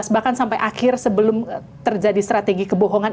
bahkan sampai akhir sebelum terjadi strategi kebohongan